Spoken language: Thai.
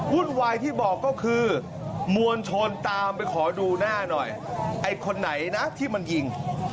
วุ่นวายที่บอกก็คือมวลชนตามไปขอดูหน้าหน่อยไอ้คนไหนนะที่มันยิง